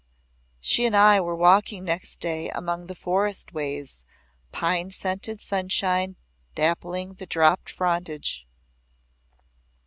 She and I were walking next day among the forest ways, the pine scented sunshine dappling the dropped frondage.